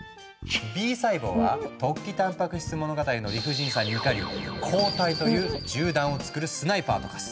Ｂ細胞は「突起たんぱく質物語」の理不尽さに怒り抗体という銃弾をつくるスナイパーと化す。